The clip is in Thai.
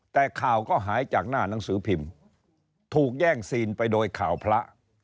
แต่ข่าวก็หายจากหน้าหนังสือพิมพ์ถูกแย่งซีนไปโดยข่าวพระ